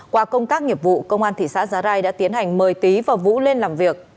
qua công tác nghiệp vụ công an thị xã giá rai đã tiến hành mời tý và vũ lên làm việc